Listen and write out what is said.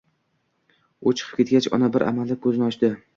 U chiqib ketgach, ona bir amallab ko‘zini ochdi